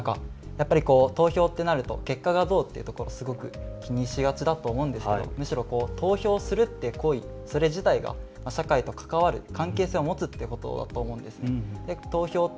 投票ってなると結果がどうっていうところをすごく気にしがちだと思うんですけれども投票するっていう行為、それ自体が社会と関わる、関係性を持つということだと思うんです。